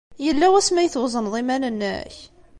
Yella wasmi ay twezneḍ iman-nnek?